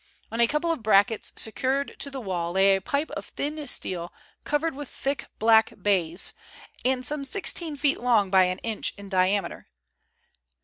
On a couple of brackets secured to the wall lay a pipe of thin steel covered with thick black baize, and some sixteen feet long by an inch in diameter.